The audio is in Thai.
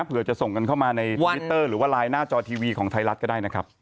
เผื่อจะส่งกันเข้ามาในทวิตเตอร์หรือว่าไลน์หน้าจอทีวีของไทยรัฐก็ได้นะครับ